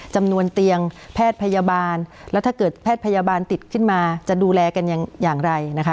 จำนวนเตียงแพทย์พยาบาลแล้วถ้าเกิดแพทย์พยาบาลติดขึ้นมาจะดูแลกันอย่างไรนะคะ